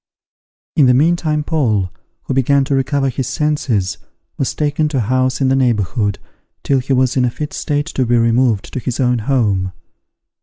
In the meantime Paul, who began to recover his senses, was taken to a house in the neighbourhood, till he was in a fit state to be removed to his own home.